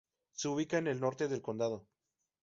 Se ubica en el norte del condado.